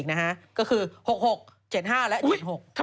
ปลาหมึกแท้เต่าทองอร่อยทั้งชนิดเส้นบดเต็มตัว